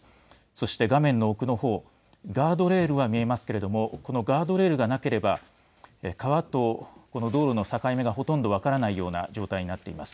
そして画面の奥のほうガードレールは見えますけれどものガードレールがなければ川と道路の境目がほとんど分からないような状態になっています。